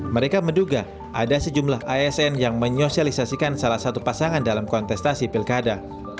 mereka menduga ada sejumlah asn yang menyosialisasikan salah satu pasangan dalam kontestasi pilkada